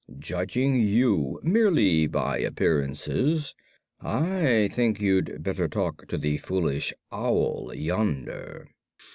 Judging you merely by appearances, I think you'd better talk to the Foolish Owl yonder."